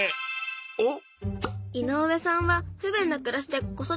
おっ！